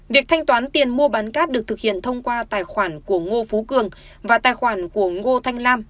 việc thanh toán tiền mua bán cát được thực hiện thông qua tài khoản của ngô phú cường và tài khoản của ngô thanh nam